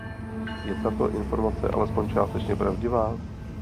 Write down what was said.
Je tato informace alespoň částečně pravdivá?